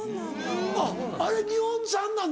あっあれ日本産なんだ。